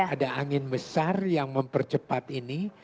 ada angin besar yang mempercepat ini